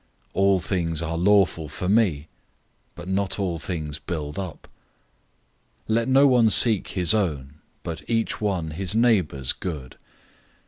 "All things are lawful for me," but not all things build up. 010:024 Let no one seek his own, but each one his neighbor's good.